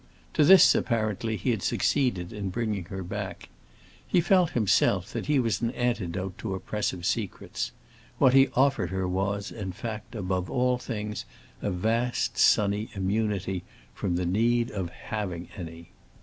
To this, apparently, he had succeeded in bringing her back. He felt, himself, that he was an antidote to oppressive secrets; what he offered her was, in fact, above all things a vast, sunny immunity from the need of having any.